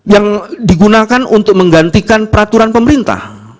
yang digunakan untuk menggantikan peraturan pemerintah